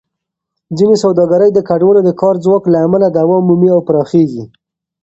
ځینې سوداګرۍ د کډوالو د کار ځواک له امله دوام مومي او پراخېږي.